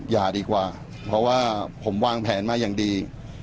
อย่าดีกว่าเพราะว่าผมวางแผนมาอย่างดี